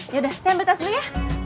yaudah saya ambil tas dulu ya